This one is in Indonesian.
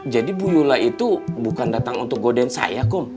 jadi bu yola itu bukan datang untuk godein saya kum